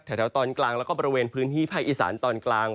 อยู่ภาคเหนือแถวตอนกลางแล้วก็บริเวณพื้นที่ภายอีสานตอนกลาง